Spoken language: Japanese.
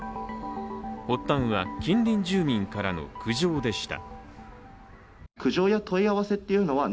発端は、近隣住民からの苦情でした。